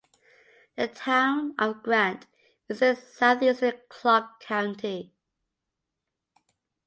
The Town of Grant is in southeastern Clark County.